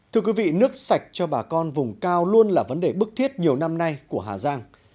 thưa quý vị nước sạch cho bà con vùng cao luôn là vấn đề bức thiết nhiều năm nay của hà giang